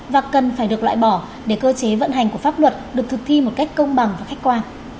và cần phải được loại bỏ để cơ chế vận hành của pháp luật được thực thi một cách công bằng và khách quan